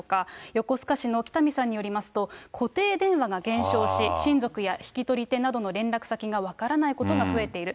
横須賀市の北見さんによりますと、固定電話が減少し、親族や引き取り手などの連絡先が分からないことが増えている。